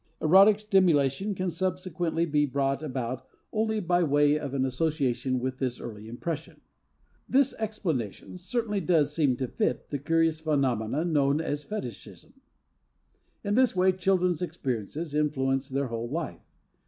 Erotic stimulation can subsequently be brought about only by way of an association with this early impression. This explanation certainly does seem to fit the curious phenomenon known as fetichism. In this way children's experiences influence their whole life.